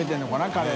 カレー。